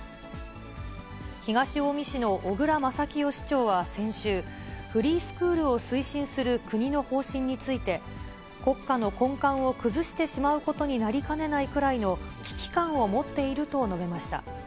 東近江市の小椋正清市長は先週、フリースクールを推進する国の方針について、国家の根幹を崩してしまうことになりかねないくらいの危機感を持っていると述べました。